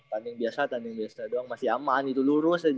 tanding biasa tanding biasa doang masih aman itu lurus aja